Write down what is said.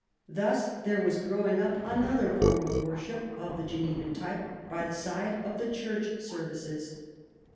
Thus there was growing up another form of worship of the Genevan type by the side of the Church services.